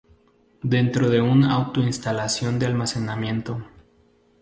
Dentro de un auto-instalación de almacenamiento.